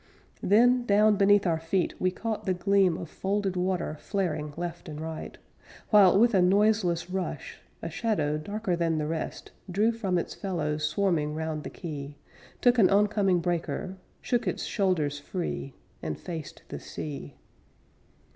Then, down beneath our feet, we caught the gleam Of folded water flaring left and right, While, with a noiseless rush, A shadow darker than the rest Drew from its fellows swarming round the quay, Took an oncoming breaker, Shook its shoulders free, And faced the sea.